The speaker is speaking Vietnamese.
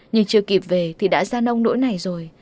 nhưng chưa kịp về thì đã ra nông nỗi này rồi